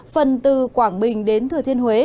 phần từ quảng bình đến thừa thiên huế